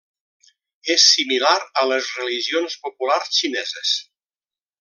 És similar a les religions populars xineses.